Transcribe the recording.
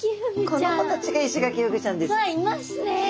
この子たちがイシガキフグちゃんです。